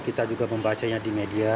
kita juga membacanya di media